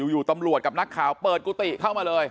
อยู่ตำรวจกับนักข่าวเปิดกุฏิเข้ามาเลย